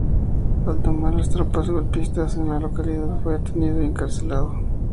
Al tomar las tropas golpistas en la localidad, fue detenido y encarcelado.